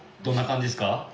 どんな感じですか？